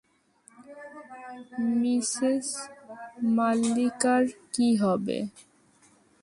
Mrs মাললিকার কী হবে?